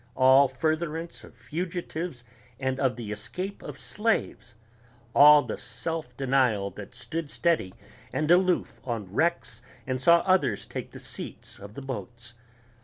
all furtherance of fugitives and of the escape of slaves ... all the self denial that stood steady and aloof on wrecks and saw others take the seats of the boats